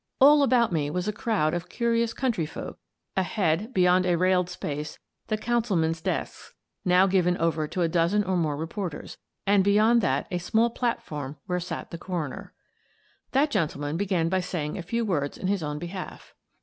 All about me was a crowd of curious country folk; ahead, beyond a railed space, the council men's desks, — now given over to a dozen or more reporters, — and beyond that a small platform where sat the coroner. That gentleman began by saying a few words in his own behalf.